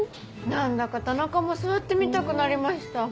何だか田中も座ってみたくなりました。